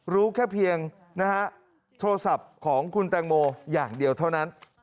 รู้แค่เพียงนะฮะโทรศัพท์ของคุณแตงโมอย่างเดียวเท่านั้น